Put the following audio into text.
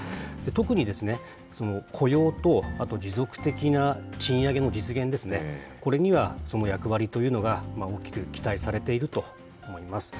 特に雇用と、あと持続的な賃上げの実現ですね、これにはその役割というのが大きく期待されていると思います。